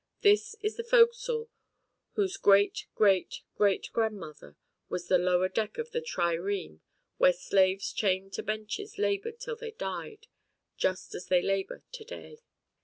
This is the fo'c'sle whose great, great, great grandmother was the lower deck of the trireme where slaves chained to benches laboured till they died, just as they labour to day.